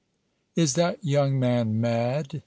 "Is that young man mad?"